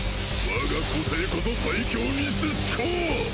我が個性こそ最強にして至高！